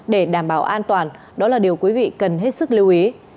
để đảm bảo an toàn đó là điều quý vị cần hết sức lưu ý